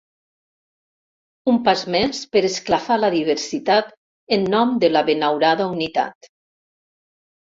Un pas més per esclafar la diversitat en nom de la benaurada unitat.